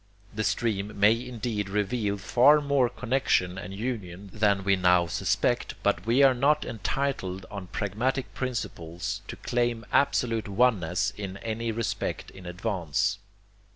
The stream may indeed reveal far more connexion and union than we now suspect, but we are not entitled on pragmatic principles to claim absolute oneness in any respect in advance.